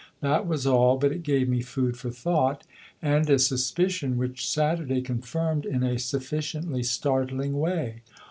That was all, but it gave me food for thought, and a suspicion which Saturday confirmed in a sufficiently startling way.